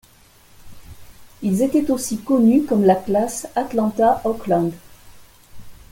Ils étaient aussi connus comme la classe Atlanta-Oakland.